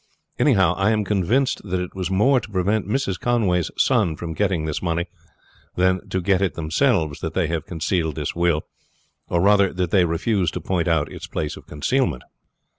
Anyhow, I am convinced that it was more to prevent Mrs. Conway's son from getting this money than to get it themselves that they have concealed this will, or rather that they refuse to point out its place of concealment."